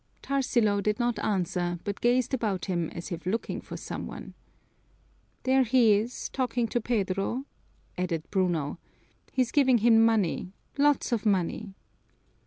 Tarsilo did not answer, but gazed about him as if looking for some one. "There he is, talking to Pedro," added Bruno. "He's giving him money, lots of money!"